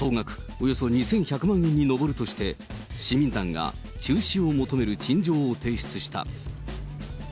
およそ２１００万円に上るとして、市民団が中止を求める陳情を提出した。